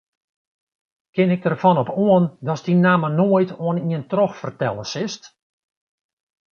Kin ik derfan op oan datst dy namme noait oan ien trochfertelle silst?